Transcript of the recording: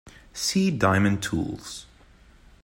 See diamond tools.